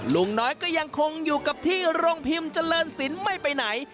ลุงน้อยก็ยังคงอยู่กับที่โรงพิมพ์เจริญศิลป์ไม่ไปไหน